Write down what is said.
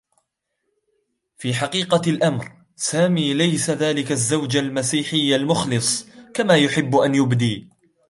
في حقيقة الأمر، سامي ليس ذلك الزّوج المسيحيّ المخلص كما يحبّ أن يبدي.